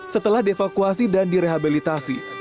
setelah dievakuasi dan direhabilitasi